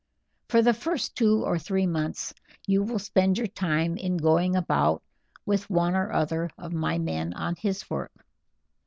For the first two or three months you will spend your time in going about with one or other of my men on his work.